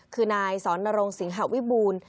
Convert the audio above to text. คือนายสอนนรงสิงหวิบูรณ์